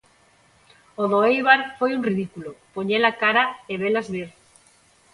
O do Éibar foi un ridículo, poñela cara e velas vir.